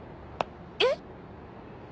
えっ？